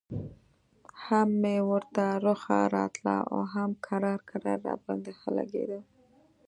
هم مې ورته رخه راتله او هم کرار کرار راباندې ښه لګېده.